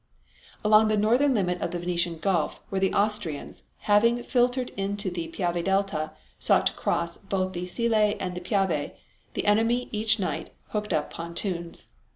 Along the northern limit of the Venetian Gulf, where the Austrians, having filtered into the Piave Delta, sought to cross both the Sile and the Piave, the enemy each night hooked up pontoons.